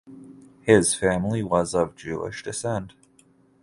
His family was of Jewish descent.